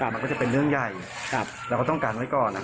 มันก็จะเป็นเรื่องใหญ่เราก็ต้องการไว้ก่อน